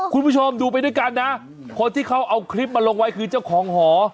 คุณผู้ชมดูไปด้วยกันนะคนที่เขาเอาคลิปมาลงไว้คือเจ้าของหอ